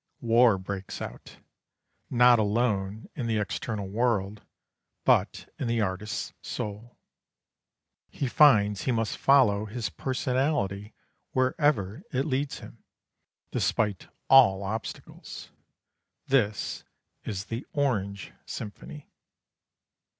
War breaks out, not alone in the external world, but in the artist's soul. He finds he must follow his personality wherever it leads him, despite all obstacles. This is the "Orange Symphony."